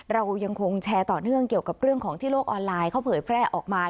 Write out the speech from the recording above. เรายังคงแชร์ต่อเนื่องเกี่ยวกับเรื่องของที่โลกออนไลน์เขาเผยแพร่ออกมา